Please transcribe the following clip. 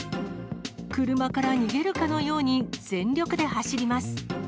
車から逃げるかのように全力で走ります。